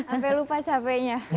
sampai lupa hp nya